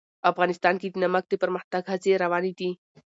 افغانستان کې د نمک د پرمختګ هڅې روانې دي.